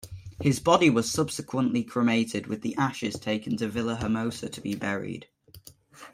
His body was subsequently cremated, with the ashes taken to Villahermosa to be buried.